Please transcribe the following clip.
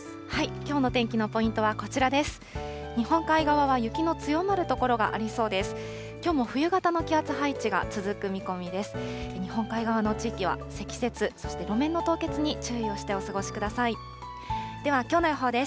きょうの天気のポイントはこちらです。